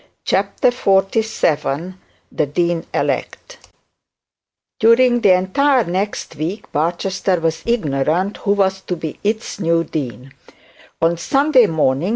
CHAPTER XLVII THE DEAN ELECT During the entire next week Barchester was ignorant who was to be its new dean on Sunday morning.